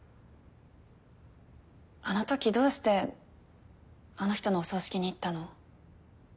あのときどうしてあの人のお葬式に行ったの？